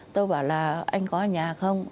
tôi bảo là anh có ở nhà không